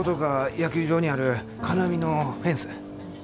野球場にある金網のフェンス。